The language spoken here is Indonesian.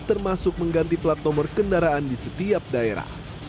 termasuk mengganti plat nomor kendaraan di setiap daerah